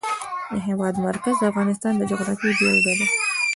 د هېواد مرکز د افغانستان د جغرافیې بېلګه ده.